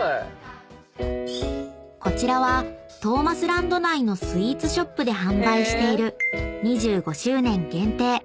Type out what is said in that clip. ［こちらはトーマスランド内のスイーツショップで販売している２５周年限定］